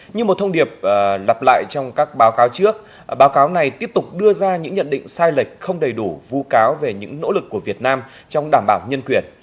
như một thông điệp lặp lại trong các báo cáo trước báo cáo này tiếp tục đưa ra những nhận định sai lệch không đầy đủ vụ cáo về những nỗ lực của việt nam trong đảm bảo nhân quyền